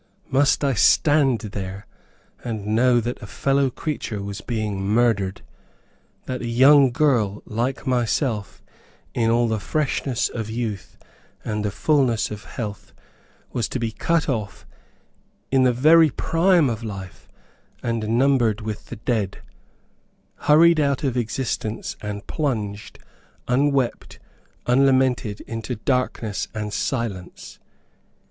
Must I stand there, and know that a fellow creature was being murdered, that a young girl like myself, in all the freshness of youth and the fullness of health, was to be cut off in the very prime of life and numbered with the dead; hurried out of existence and plunged, unwept, unlamented, into darkness and silence?